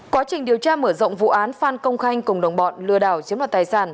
quá trình điều tra mở rộng vụ án phan công khanh cùng đồng bọn lừa đảo chiếm đoạt tài sản